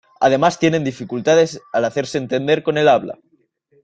Además, tienen dificultades de hacerse entender con el habla.